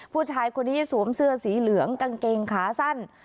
ผู้ชายคนนี้สวมเสื้อสีเหลืองกางเกงขาสั้น